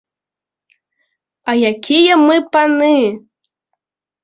А якія мы паны?